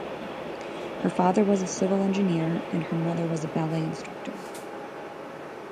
Her father was a civil engineer and her mother was a ballet instructor.